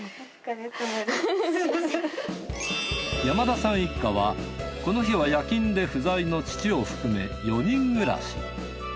山田さん一家はこの日は夜勤で不在の父を含め４人暮らし。